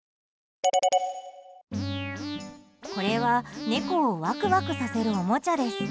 これは、猫をワクワクさせるおもちゃです。